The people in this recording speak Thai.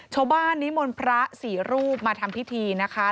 ชาวบ้านนิมนต์พระสี่รูปมาทำพิธีนะคะ